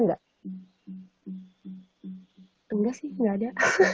enggak sih enggak ada